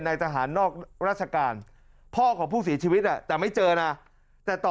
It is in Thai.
ทหารนอกราชการพ่อของผู้เสียชีวิตแต่ไม่เจอนะแต่ต่อ